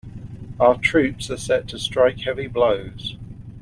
Our troops are set to strike heavy blows.